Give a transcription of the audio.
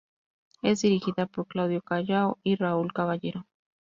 Es dirigida por Claudio Callao y Raúl Caballero.